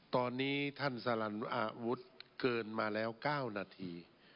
ตอนนี้ท่านศรนวุฒิเกินมาแล้ว๙นาที